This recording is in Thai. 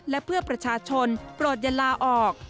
และเพื่อประชาชนโปรดอย่าลาออก